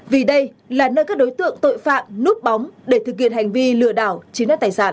vì đây là nơi các đối tượng tội phạm núp bóng để thực hiện hành vi lừa đảo chiếm đất tài sản